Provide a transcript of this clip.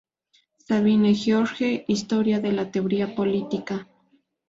Sabine, George: "Historia de la teoría política".